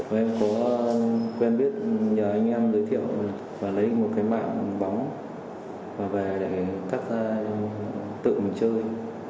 em có quen biết nhờ anh em giới thiệu mình và lấy một cái mạng bóng và về để cắt tự mình chơi